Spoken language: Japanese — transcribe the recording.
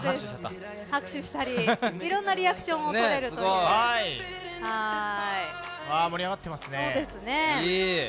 拍手したりいろんなリアクションも盛り上がってますね。